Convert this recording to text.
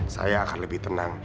saya akan lebih tenang